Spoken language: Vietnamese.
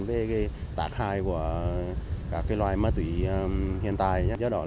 về cái tác hại của các loài ma túy hiện tại